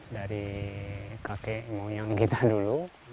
dari kakek moyang kita dulu